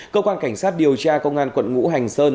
cơ quan cảnh sát điều tra công an quận ngũ hành sơn